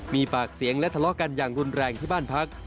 มีปากเสียงและทะเลาะกันอย่างรุนแรงที่บ้านพัก